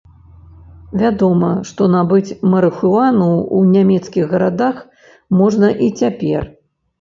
Вядома, што набыць марыхуану ў нямецкіх гарадах можна і цяпер.